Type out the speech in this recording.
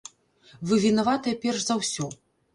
Вы вінаватыя перш за ўсё!